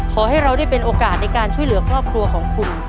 ขอให้เราได้เป็นโอกาสในการช่วยเหลือครอบครัวของคุณ